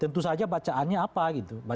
tentu saja bacaannya apa gitu